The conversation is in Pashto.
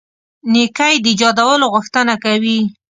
نېکۍ د ایجادولو غوښتنه کوي.